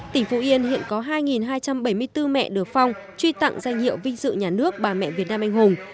tỉnh phú yên hiện có hai hai trăm bảy mươi bốn mẹ được phong truy tặng danh hiệu vinh dự nhà nước bà mẹ việt nam anh hùng